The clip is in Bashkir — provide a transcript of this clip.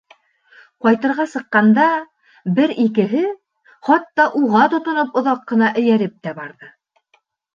Ҡайтырға сыҡҡанда, бер-икеһе, хатта уға тотоноп, оҙаҡ ҡына эйәреп тә барҙы.